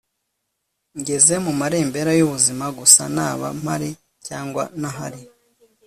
ngeze mu marembera yubuzima gusa naba mpari cyangwa ntahari